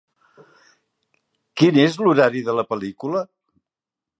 Quin és l'horari de la pel·lícula